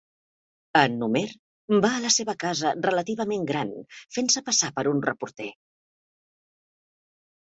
En Homer va a la seva casa relativament gran fent-se passar per un reporter.